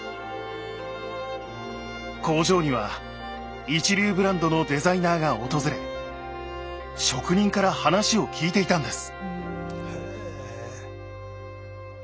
工場には一流ブランドのデザイナーが訪れ職人から話を聞いていたんです。